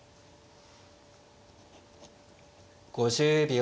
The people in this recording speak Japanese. ５０秒。